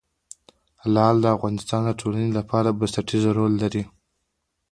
لعل د افغانستان د ټولنې لپاره بنسټيز رول لري.